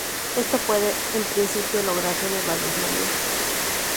Esto puede en principio, lograrse de varias maneras.